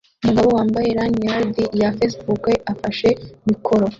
Umugabo wambaye lanyard ya Facebook afashe mikoro